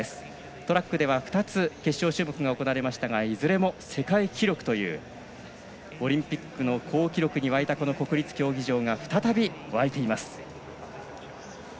トラックでは２つ決勝種目が行われましたがいずれも世界記録というオリンピックの好記録に沸いた国立競技場が再び沸いています。